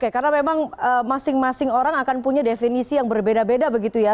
karena memang masing masing orang akan punya definisi yang berbeda beda begitu ya